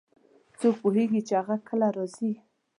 څوک پوهیږي چې هغه کله راځي